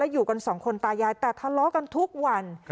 อยู่กันสองคนตายายแต่ทะเลาะกันทุกวัน